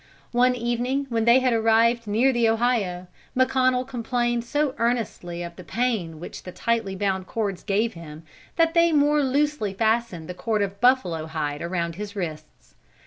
One evening when they had arrived near the Ohio, McConnel complained so earnestly of the pain which the tightly bound cords gave him, that they more loosely fastened the cord of buffalo hide around his wrists.